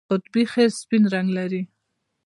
قطبي خرس سپین رنګ لري